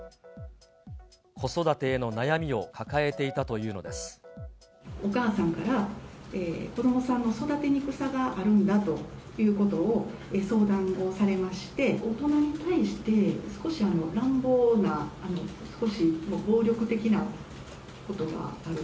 子育てへの悩みを抱えていたお母さんから、子どもさんの育てにくさがあるんだということを相談をされまして、大人に対して少し乱暴な、少し暴力的なことがある。